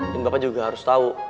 dan bapak juga harus tahu